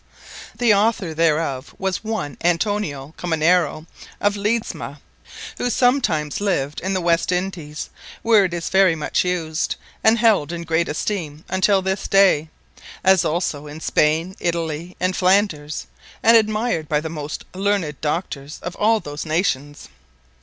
_ _The Author thereof was one Antonio Colmenero of Ledesma, who sometimes lived in the West Indies, where it is very much used, and held in great esteeme, untill this day; as also in Spaine, Italy, and Flanders, and admired by the most learned Doctors of all those Nations.